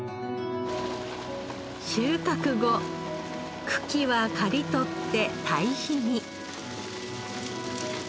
収穫後茎は刈り取って堆肥に。